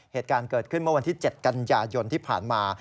เหตุการณ์เกิดขึ้นเมื่อวันที่๗กันยายนที่ผ่านมา